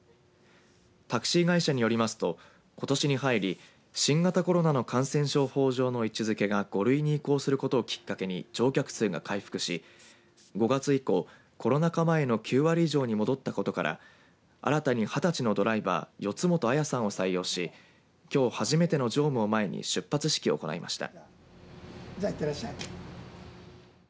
タクシー会社によりますとことしに入り新型コロナの感染症法上の位置づけが５類に移行することをきっかけに乗客数が回復し、５月以降コロナ禍前の９割以上に戻ったことから新たに２０歳のドライバー四元亜弥さんを採用しきょう初めての乗務を前に出発式を行いました。